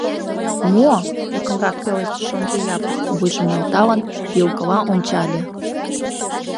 — Мо? — ӧкымрак пелештыш Ондри Япык, вуйжым нӧлталын, ӱлкыла ончале.